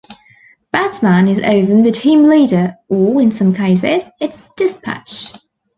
Batman is often the team leader or, in some cases, its dispatch.